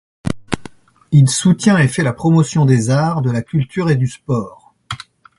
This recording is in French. Il soutient et fait la promotion des arts, de la culture et du sport.